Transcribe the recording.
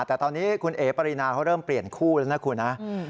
แต่ตอนนี้คุณเอ๋ปรินาเขาเริ่มเปลี่ยนคู่แล้วนะคุณนะ